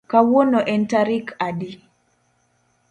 Kawuono en tarik adi